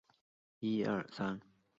子刘景素承袭王位。